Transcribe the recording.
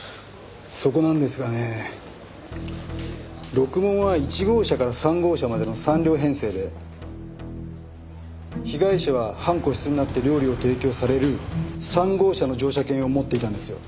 そこなんですがねろくもんは１号車から３号車までの３両編成で被害者は半個室になって料理を提供される３号車の乗車券を持っていたんですよ。